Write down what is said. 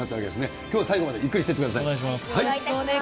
きょうは最後までゆっくりしていってください。